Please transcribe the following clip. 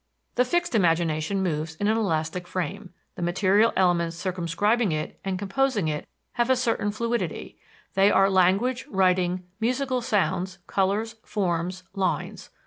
The fixed imagination moves in an elastic frame. The material elements circumscribing it and composing it have a certain fluidity; they are language, writing, musical sounds, colors, forms, lines.